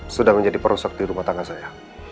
sudah menjadi perusak di rumah tangga saya